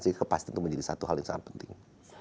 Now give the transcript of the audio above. jadi kepastian itu menjadi satu hal yang sangat penting